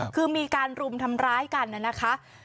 คือมีการรุมทำร้ายกันนะคะ